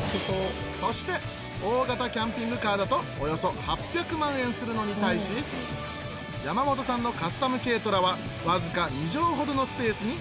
そして大型キャンピングカーだとおよそ８００万円するのに対し山本さんのカスタム軽トラはわずか２畳ほどのスペースに